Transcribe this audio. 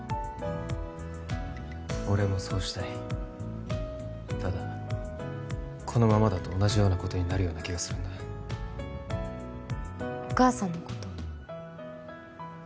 俺もそうしたいただこのままだと同じようなことになるような気がするんだお義母さんのこと？